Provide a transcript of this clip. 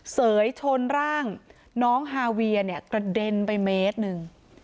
เสยชนร่างน้องฮาเวียเนี่ยกระเด็นไปเมตรหนึ่ง